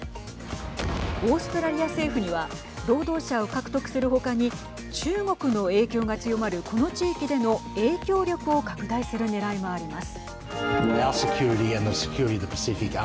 オーストラリア政府には労働者を獲得する他に中国の影響が強まるこの地域での影響力を拡大する狙いもあります。